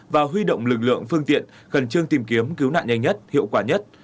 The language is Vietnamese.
và huy động lực lượng phương tiện khẩn trương tìm kiếm cứu nạn nhanh nhất hiệu quả nhất